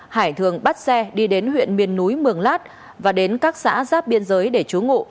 hải thường bắt xe đi đến huyện miền núi mường lát và đến các xã giáp biên giới để chú ngộ